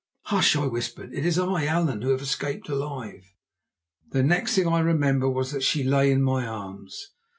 "Hush!" I whispered. "It is I, Allan, who have escaped alive." The next thing I remember was that she lay in my arms.